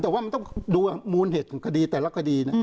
แต่ว่ามันต้องดูมูลเหตุของคดีแต่ละคดีนะ